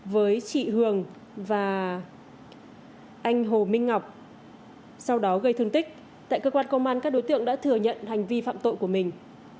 với chị hường và anh hồ minh ngọc sau đó gây thương tích tại cơ quan công an các đối tượng đã thừa nhận hành vi phạm tội của mình